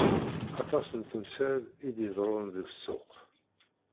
Aṭas n temsal i d-iḍerrun deg ssuq.